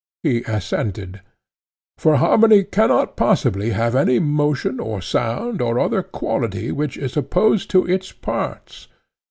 He assented. For harmony cannot possibly have any motion, or sound, or other quality which is opposed to its parts.